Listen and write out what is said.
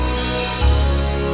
aku susah ya